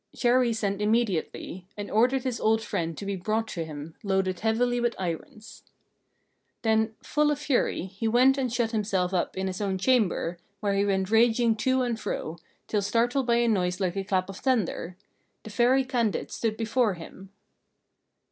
Chéri sent immediately, and ordered his old friend to be brought to him, loaded heavily with irons. Then, full of fury, he went and shut himself up in his own chamber, where he went raging to and fro, till startled by a noise like a clap of thunder. The Fairy Candide stood before him.